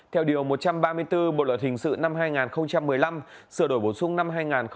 theo điều một trăm ba mươi bốn bộ luật hình sự năm hai nghìn một mươi năm sửa đổi bổ sung năm hai nghìn một mươi bảy